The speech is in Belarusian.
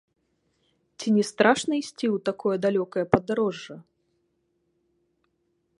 Ці не страшна ісці ў такое далёкае падарожжа?